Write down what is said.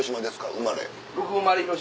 生まれ。